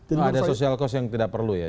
ada social cost yang tidak perlu ya